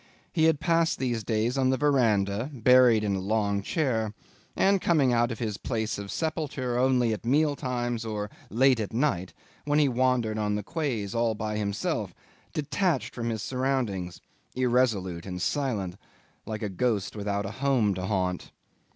He had passed these days on the verandah, buried in a long chair, and coming out of his place of sepulture only at meal times or late at night, when he wandered on the quays all by himself, detached from his surroundings, irresolute and silent, like a ghost without a home to haunt.